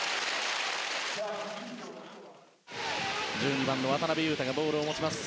１２番の渡邊雄太がボールを持ちます。